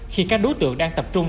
khi các đối tượng đang tập trung